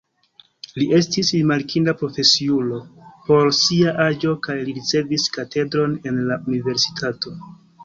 Li estis rimarkinda profesiulo por sia aĝo kaj li ricevis katedron en la universitato.